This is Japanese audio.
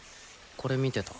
これ見てた。